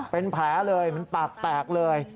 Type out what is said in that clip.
เป็นแผลเลยมันปากแตกเลย